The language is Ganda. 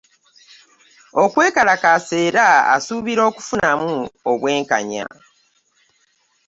Okwekalakaasa era asuubira okufunamu obwenkanya.